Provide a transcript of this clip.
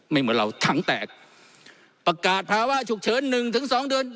เหมือนเราถังแตกประกาศภาวะฉุกเฉินหนึ่งถึงสองเดือน